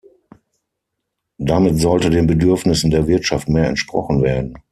Damit sollte den Bedürfnissen der Wirtschaft mehr entsprochen werden.